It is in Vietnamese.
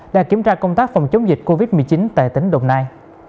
đã kiểm tra công tác phòng chống dịch covid một mươi chín tại tỉnh đồng nai